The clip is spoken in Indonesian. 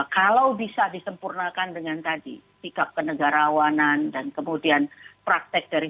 kalau bisa disempurnakan dengan tadi sikap kenegarawanan dan kemudian praktek dari